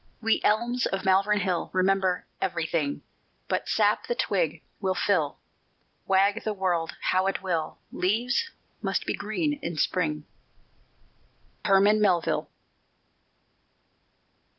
_We elms of Malvern Hill Remember everything; But sap the twig will fill: Wag the world how it will, Leaves must be green in Spring._ HERMAN MELVILLE.